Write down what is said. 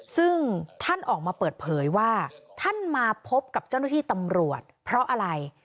ซึ่งท่านออกมาเปิดเผยว่าท่านมาพบกับเจ้าหน้าที่ตำรวจเพราะอะไร